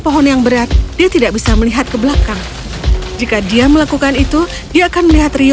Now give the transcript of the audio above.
pohon yang berat dia tidak bisa melihat ke belakang jika dia melakukan itu dia akan melihat rio